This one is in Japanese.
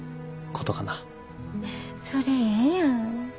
それええやん。